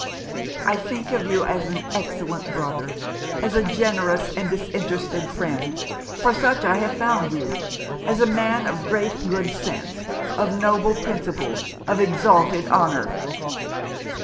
'I think of you as an excellent brother; as a generous and disinterested friend; for such I have found you; as a man of great good sense, of noble principles, of exalted honour!'